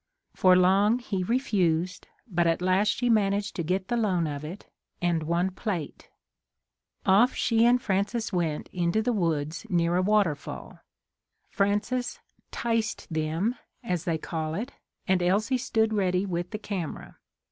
For long he re fused, but at last she managed to get the loan of it and one plate. Off she and Frances 16 HOW THE MATTER AROSE went into the woods near a water fall. Frances ' 'ticed' them, as they call it, and Elsie stood ready with the camera.